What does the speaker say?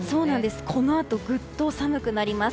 このあとぐっと寒くなります。